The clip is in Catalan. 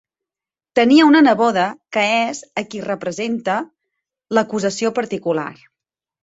Tenia una neboda que és a qui representa l'acusació particular.